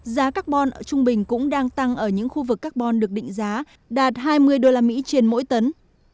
giá carbon ở trung bình cũng đang tăng ở những khu vực carbon được định giá đạt hai mươi usd trên mỗi tấn